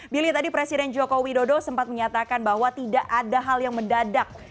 billy tadi presiden joko widodo sempat menyatakan bahwa tidak ada hal yang mendadak